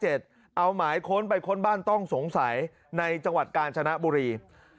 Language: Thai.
เอาหมายค้นไปค้นบ้านต้องสงสัยในจังหวัดกาญชนะบุรี